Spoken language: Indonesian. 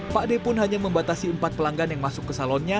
pak d pun hanya membatasi empat pelanggan yang masuk ke salonnya